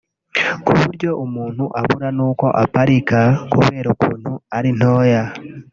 ku buryo umuntu abura n’uko aparika kubera ukuntu ari ntoya”